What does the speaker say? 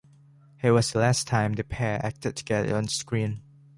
It was the last time the pair acted together on screen.